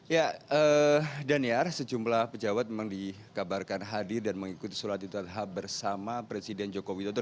ya daniar sejumlah pejabat memang dikabarkan hadir dan mengikuti sholat idul adha bersama presiden joko widodo